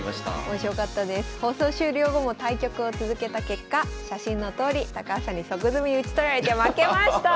放送終了後も対局を続けた結果写真のとおり高橋さんに即詰みに討ち取られて負けました！